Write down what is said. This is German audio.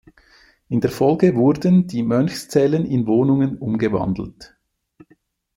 In der Folge wurden die Mönchszellen in Wohnungen umgewandelt.